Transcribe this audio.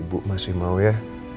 ibu masih mau ya